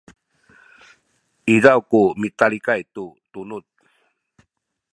izaw ku mitalikay tu tunuz